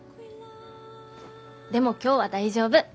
でも今日は大丈夫。